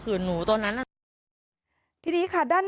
มีชายแปลกหน้า๓คนผ่านมาทำทีเป็นช่วยค่างทาง